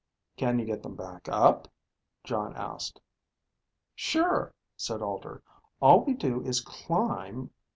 "Can you get them back up?" Jon asked. "Sure," said Alter, "all we do is climb